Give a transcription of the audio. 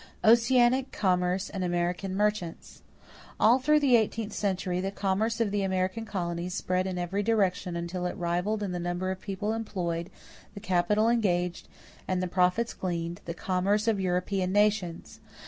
=Oceanic Commerce and American Merchants.= All through the eighteenth century, the commerce of the American colonies spread in every direction until it rivaled in the number of people employed, the capital engaged, and the profits gleaned, the commerce of European nations.